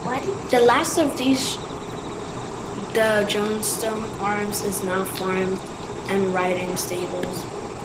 The last of these, "The Johnstone Arms", is now a farm and riding stables.